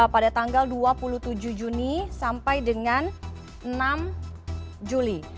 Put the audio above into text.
pada tanggal dua puluh tujuh juni sampai dengan enam juli